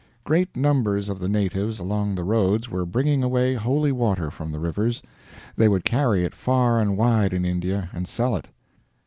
Great numbers of the natives along the roads were bringing away holy water from the rivers. They would carry it far and wide in India and sell it.